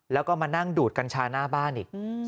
แล้วก็มานั่งดูดกัญชาหน้าบ้านอีก